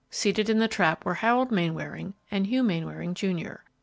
Seated in the trap were Harold Mainwaring and Hugh Mainwaring, junior.